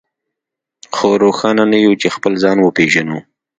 خو روښانه نه يو چې خپل ځان وپېژنو.